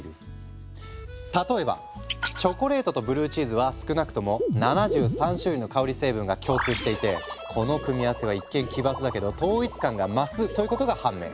例えばチョコレートとブルーチーズは少なくとも７３種類の香り成分が共通していてこの組み合わせは一見奇抜だけど統一感が増すということが判明。